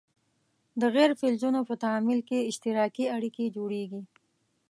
د غیر فلزونو په تعامل کې اشتراکي اړیکې جوړیږي.